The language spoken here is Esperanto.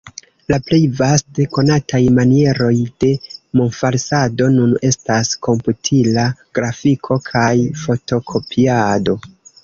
La plej vaste konataj manieroj de monfalsado nun estas komputila grafiko kaj fotokopiado.